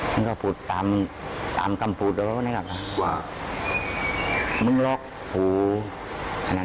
มึงก็พูดตามตามกำพูดว่าไงแหละครับว่ามึงล๊อกภูแล้วอะไรเนี้ย